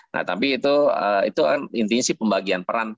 nah tapi itu intinya sih pembagian peran